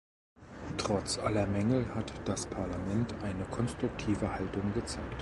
Trotz aller Mängel hat das Parlament eine konstruktive Haltung gezeigt.